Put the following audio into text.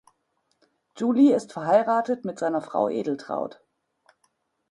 July ist verheiratet mit seiner Frau Edeltraud.